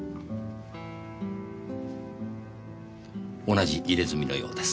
同じ入れ墨のようです。